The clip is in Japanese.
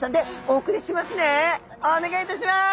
お願いいたします！